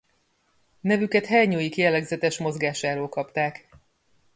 Nevüket hernyóik jellegzetes mozgásáról kapták.